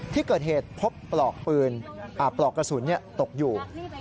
ที่เกิดเหตุพบปลอกกระสุนตกอยู่